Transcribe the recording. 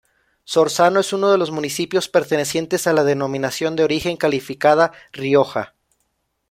Sorzano es uno de los municipios pertenecientes a la Denominación de origen calificada Rioja.